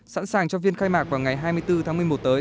sẵn sàng cho viên khai mạc vào ngày hai mươi bốn tháng một mươi một tới